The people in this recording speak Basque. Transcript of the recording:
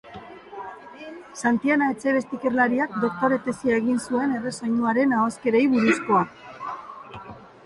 Xantiana Etxebest ikerlariak doktore tesia egin zuen erre soinuaren ahoskerei buruzkoa.